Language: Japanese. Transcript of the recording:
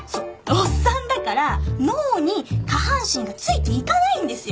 おっさんだから脳に下半身がついていかないんですよ。